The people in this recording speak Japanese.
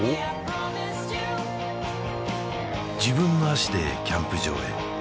自分の足でキャンプ場へ